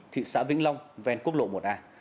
thị xã vĩnh long ven quốc lộ một a